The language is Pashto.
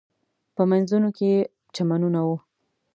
په مینځونو کې یې چمنونه و.